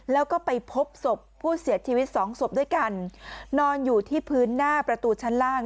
แล้วก็ไปพบศพผู้เสียชีวิตสองศพด้วยกันนอนอยู่ที่พื้นหน้าประตูชั้นล่าง